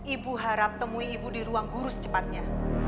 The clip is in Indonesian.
ibu harap temui ibu di ruang guru secepatnya